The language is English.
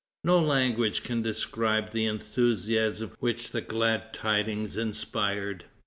No language can describe the enthusiasm which the glad tidings inspired.